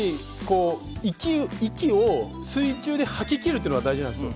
息を水中で吐き切るのが大事なんですよ。